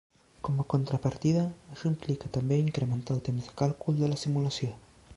Com a contrapartida, això implica també incrementar el temps de càlcul de la simulació.